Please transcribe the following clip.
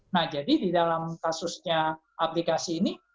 nah jadi di dalam kasusnya aplikasi ini